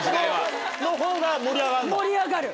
のほうが盛り上がるの？